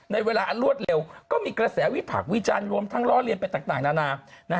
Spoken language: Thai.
ในเวลาอันรวดเร็วก็มีกระแสวิพากษ์วิจารณ์รวมทั้งล้อเลียนไปต่างนานา